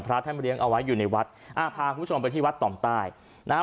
พระท่านเลี้ยงเอาไว้อยู่ในวัดอ่าพาคุณผู้ชมไปที่วัดต่อมใต้นะฮะ